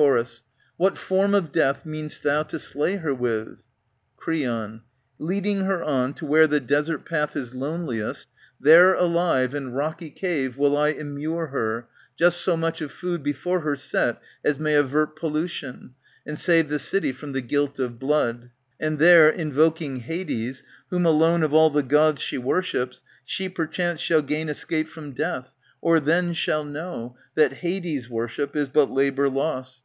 Chor. What form of death mean'st thou to slay her with ? Creon. Leading her on to where the desert path Is loneliest, there alive, in rocky cave Will I immure her, just so much of food Before her set as may avert pollution,^ And save the city from the guilt of blood ; And there, invoking Hades, whom alone Of all the Gods she worships, she, perchance, Shall gain escape from death, or then shall know \^^ That Hades worship is but labour lost.